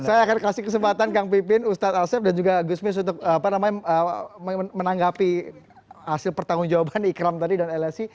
saya akan kasih kesempatan kang pipin ustadz asep dan juga gusmis untuk menanggapi hasil pertanggung jawaban ikram tadi dan lsi